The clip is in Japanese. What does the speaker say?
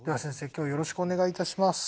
今日よろしくお願いいたします。